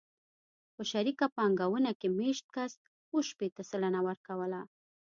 په شریکه پانګونه کې مېشت کس اوه شپېته سلنه ورکوله